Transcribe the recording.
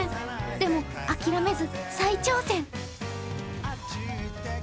でも諦めず再挑戦。